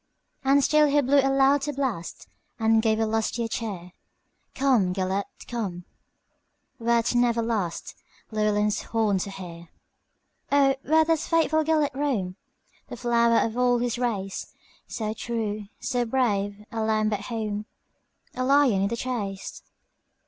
And still he blew a louder blast, And gave a lustier cheer:"Come, Gêlert, come, wert never lastLlewelyn's horn to hear."O, where doth faithful Gêlert roam, The flower of all his race, So true, so brave,—a lamb at home,A lion in the chase?"